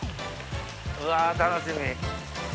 うわ楽しみ。